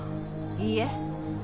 いいえ。